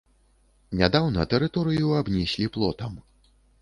Нядаўна тэрыторыю абнеслі плотам.